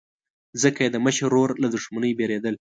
ځکه یې د مشر ورور له دښمنۍ بېرېدل.